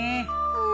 うん。